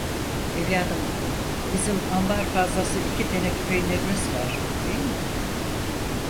Evladım, bizim ambar fazlası iki teneke peynirimiz var, değil mi?